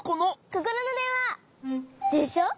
ココロのでんわ！でしょ？